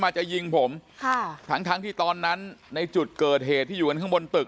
จะยิงผมค่ะทั้งทั้งที่ตอนนั้นในจุดเกิดเหตุที่อยู่กันข้างบนตึก